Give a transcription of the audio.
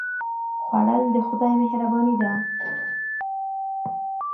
خوړل د خدای مهرباني ده